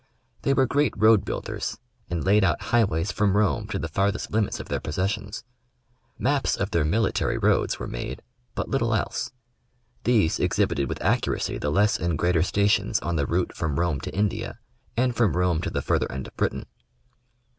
They were great road builders, and laid out highways from Rome to the farthest limits of their possessions. Maps of their military roads were made, but little else. These exhibited with accuracy the less and greater stations on the route from Rome to India, and from Rome to the further end of Britain.